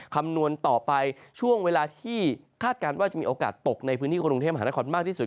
คำนวณต่อไปช่วงเวลาที่คาดการณ์ว่าจะมีโอกาสตกในพื้นที่กรุงเทพมหานครมากที่สุด